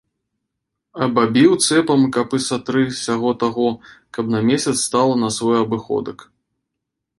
Абабіў цэпам капы са тры сяго-таго, каб на месяц стала на свой абыходак.